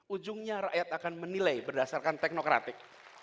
ujungnya rakyat akan menilai berdasarkan teknokratik